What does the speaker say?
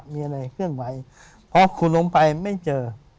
มีอะไรเคลื่อนไหวพอขุดลงไปไม่เจอ